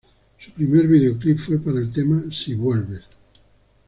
Su primer videoclip fue para el tema "Si Vuelves".